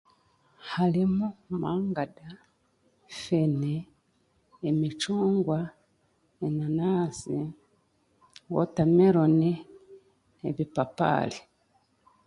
Harimu mangada fene emicungwa enanansi wotameroni ebipapaari